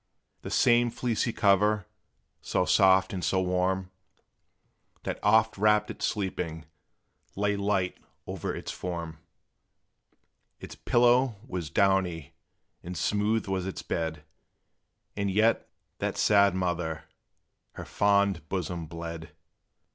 The same fleecy cover, so soft and so warm, That oft wrapped it sleeping, lay light o'er its form; Its pillow was downy, and smooth was its bed, And yet, that sad mother! her fond bosom bled.